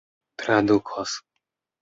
tradukos